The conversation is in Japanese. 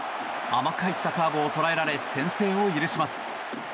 甘く入ったカーブを捉えられ先制を許します。